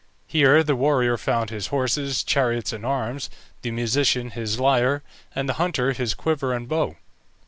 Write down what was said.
Here the warrior found his horses, chariots, and arms, the musician his lyre, and the hunter his quiver and bow.